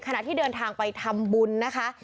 ขณะที่เดินทางไปทำบุญนะคะ